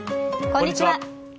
こんにちは。